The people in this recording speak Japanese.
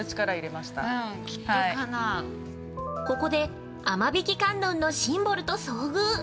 ◆ここで、この雨引観音のシンボルと遭遇。